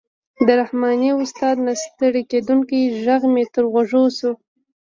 د رحماني استاد نه ستړی کېدونکی غږ مې تر غوږ شو.